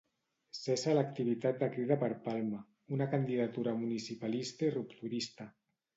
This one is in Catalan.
Cessa l'activitat de Crida per Palma, una candidatura municipalista i rupturista.